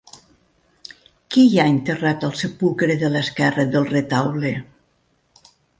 Quin hi ha enterrat al sepulcre de l'esquerra del retaule?